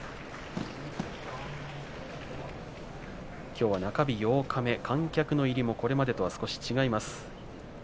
きょうは中日、八日目観客の入りも少しこれまでと違います。